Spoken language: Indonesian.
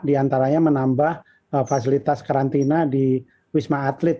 di antaranya menambah fasilitas karantina di wisma atlet